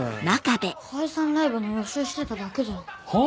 解散ライブの予習してただけじゃん。